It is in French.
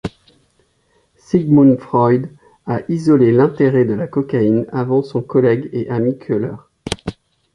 Sigmund Freud a isolé l'intérêt de la cocaïne avant son collègue et ami Köller.